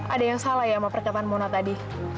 ada yang salah ya sama perkataan mona tadi